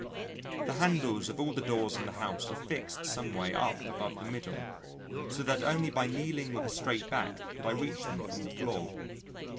The handles of all the doors in the house are fixed some way up above the middle, so that only by kneeling with a straight back could I reach them from the floor.